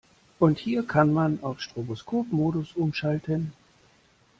Und hier kann man auf Stroboskopmodus umschalten.